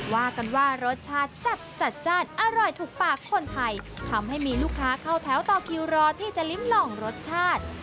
ว่ากันว่ารสชาติแซ่บจัดจ้านอร่อยถูกปากคนไทยทำให้มีลูกค้าเข้าแถวต่อคิวรอที่จะลิ้มลองรสชาติ